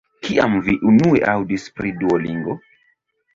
Kiam vi unue aŭdis pri Duolingo?